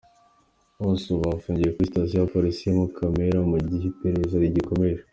Bose ubu bafungiye kuri Station ya polisi ya Mukamira mu gihe iperereza rigikomeje.